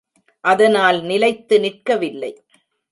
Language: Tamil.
அதனால் நிலைத்து நிற்கவில்லை.